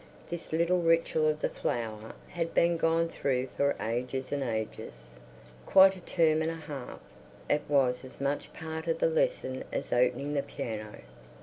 This little ritual of the flower had been gone through for ages and ages, quite a term and a half. It was as much part of the lesson as opening the piano.